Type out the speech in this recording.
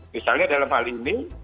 misalnya dalam hal ini